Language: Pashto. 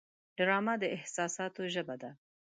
ډرامه د احساساتو ژبه ده